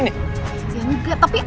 ya enggak tapi